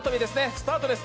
スタートです。